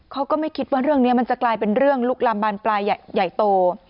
ก็ไม่คิดว่าเรื่องนี้มันจะกลายเป็นเรื่องลุกลามบานปลายใหญ่โต